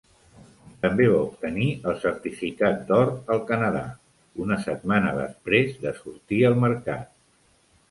També va obtenir el certificat d'or al Canadà, una setmana després de sortir al mercat.